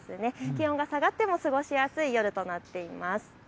気温が下がっても過ごしやすい夜となっています。